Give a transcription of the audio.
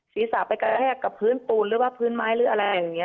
ศีรษะไปกระแทกกับพื้นปูนหรือว่าพื้นไม้หรืออะไรอย่างนี้